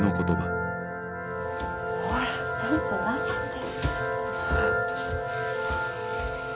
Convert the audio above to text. ほらちゃんとなさって。